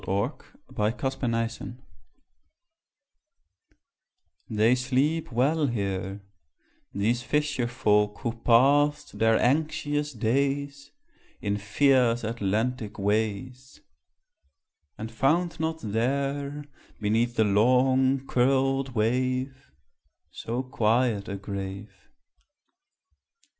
IN A BRETON CEMETERY They sleep well here, These fisher folk who passed their anxious days In fierce Atlantic ways; And found not there, Beneath the long curled wave, So quiet a grave.